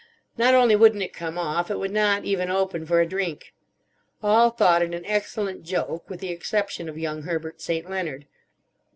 Not only wouldn't it come off, it would not even open for a drink. All thought it an excellent joke, with the exception of young Herbert St. Leonard.